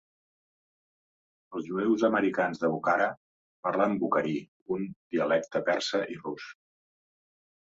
Els jueus americans de Bukhara parlen bukhari, un dialecte persa i rus.